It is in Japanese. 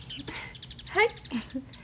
はい。